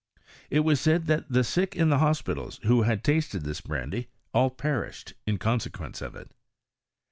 It was said that the sick in the hospitals who had tasted this brandy, all perished in consequence of it.